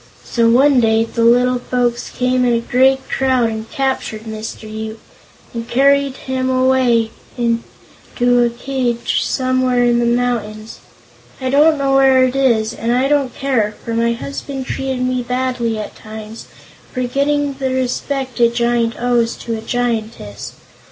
So one day the little folks came in a great crowd and captured Mr. Yoop, and carried him away to a cage somewhere in the mountains. I don't know where it is, and I don't care, for my husband treated me badly at times, forgetting the respect a giant owes to a giantess.